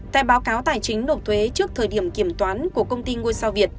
tại báo cáo tài chính nộp thuế trước thời điểm kiểm toán của công ty ngôi sao việt